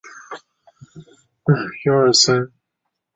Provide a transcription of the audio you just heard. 担任角色原案的夏元雅人有出其漫画版本。